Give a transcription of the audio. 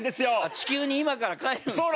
地球に今から帰るんですか？